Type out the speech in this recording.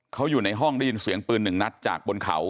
เขาอยู่ในห้องได้ยินเสียงปืนหนึ่งนัดจากบนเขา